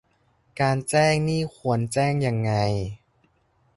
การแจ้งนี่ควรแจ้งยังไง